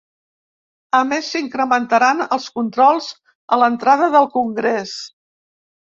A més, s’incrementaran els controls a l’entrada del congrés.